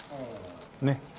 ねっ。